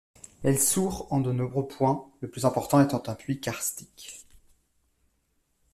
Elle sourd en de nombreux points, le plus important étant un puits karstique.